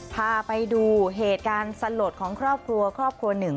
พาไปดูเหตุการณ์สลดของครอบครัวครอบครัวหนึ่ง